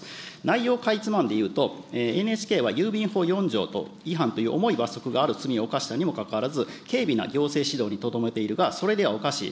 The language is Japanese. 内容をかいつまんで言うと、ＮＨＫは郵便法４条違反という重い罰則がある罪を犯したにもかかわらず、軽微な行政指導にとどめているが、それではおかしい。